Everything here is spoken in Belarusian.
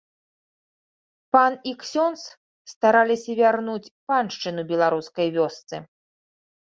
Пан і ксёндз стараліся вярнуць паншчыну беларускай вёсцы.